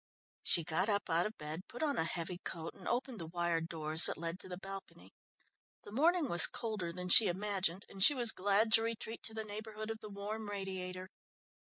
She got up out of bed, put on a heavy coat and opened the wire doors that led to the balcony. The morning was colder than she imagined, and she was glad to retreat to the neighbourhood of the warm radiator.